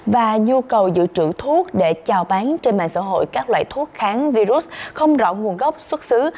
và nhu cầu dự trữ thuốc để chào bán trên mạng xã hội các loại thuốc kháng virus không rõ nguồn gốc xuất xứ